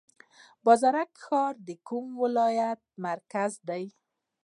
بازارک ښار د کوم ولایت مرکز دی؟